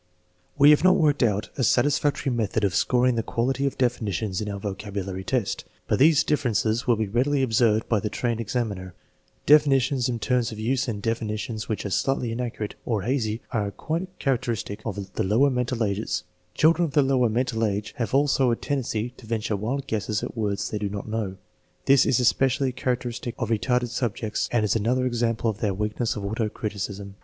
We have not worked out a satisfactory method of scor ing the quality of definitions in our vocabulary test, but these differences will be readily observed by the trained examiner. Definitions in terms of use and definitions which 1 Supposing the ballots to have been shuffled. TEST NO. Vm, ALTEBNATTFE 2 231 are slightly inaccurate or hazy are quite characteristic of the lower mental ages. Children of the lower mental age have also a tendency to venture wild guesses at words they do not know. This is especially characteristic of re tarded subjects and is another example of their weakness of auto criticism.